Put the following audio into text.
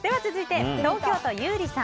続いて東京都の方。